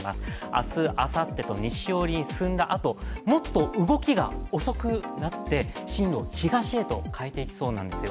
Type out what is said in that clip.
明日、あさってと西寄りに進んだあともっと動きが遅くなって、進路を東へと変えていきそうなんですよ。